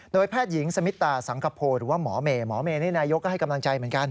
แพทย์หญิงสมิตาสังคโพหรือว่าหมอเมย์หมอเมนี่นายกก็ให้กำลังใจเหมือนกัน